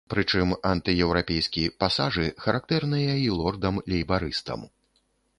Прычым антыеўрапейскі пасажы характэрныя і лордам-лейбарыстам.